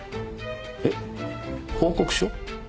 えっ報告書？